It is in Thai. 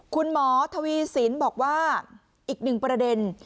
คุณหมอทวีสินบอกว่าอีกหนึ่งประเด็น